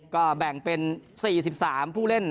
ก็แบ่งเป็น๔๓ผู้เล่น